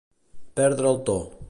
Perdre el to.